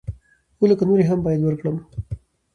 اووه لکه نورې هم بايد ورکړم.